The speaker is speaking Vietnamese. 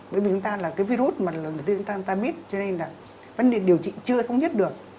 bởi vì chúng ta là cái virus mà lần đầu tiên chúng ta biết cho nên là vấn đề điều trị chưa thống nhất được